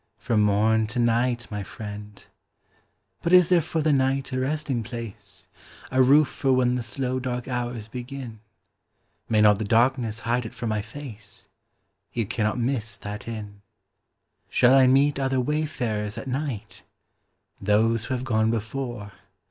From morn to night, my friend. But is there for the night a resting place? A roof for when the slow dark hours begin. May not the darkness hide it from my face? You cannot miss that inn. Shall I meet other wayfarers at night? Those who have gone before.